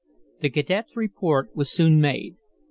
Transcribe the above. The cadet's report was soon made.